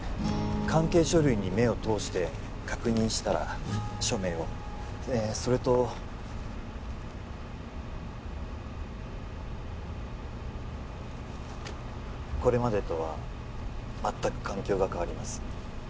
関係書類に目を通して確認したら署名をえそれとこれまでとは全く環境が変わります